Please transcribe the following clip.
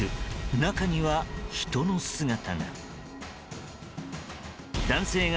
中には、人の姿が。